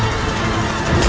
aku akan menangkapmu